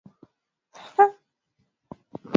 tayari majaji mahakama wa icc wameshatoa agizo